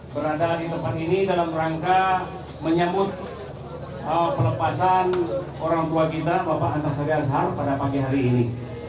berada di tempat ini dalam rangka menyambut pelepasan orang tua kita bapak antasari azhar pada pagi hari ini